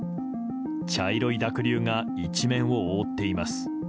茶色い濁流が一面を覆っています。